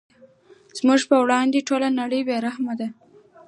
زموږ په وړاندې ټوله نړۍ بې رحمه ده.